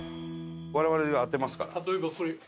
我々当てますから。